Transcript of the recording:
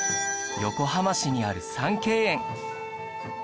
横浜市にある三渓園